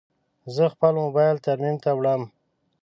زه خپل موبایل ترمیم ته وړم.